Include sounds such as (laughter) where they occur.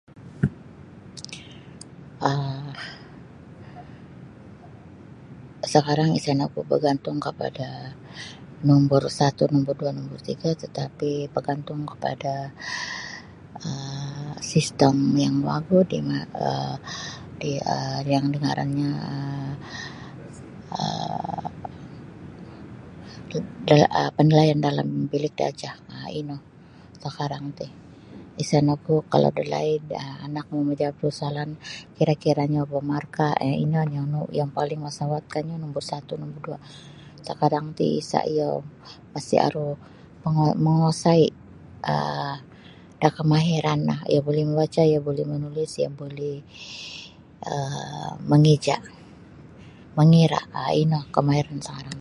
um Sakarang isa nogu bargantung kepada nombor satu nombor dua nombor tiga tetapi bagantung kapada um sistem yang wagu ti um yang di ngaranyo um panilaian dalam bilik darjah um ino sakarang ti isa nogu kalau dalaid anak majawab da soalan kira-kiranyo markah ino yang paling masawat kanyu numbur satu numbur dua sakarang ti isa iyo masih aru (unintelligible) menguasai da kamahiran no iyo buli mambaca iyo buli manulis iyo buli um mengeja mengira um ino kamahiran sakarang ti.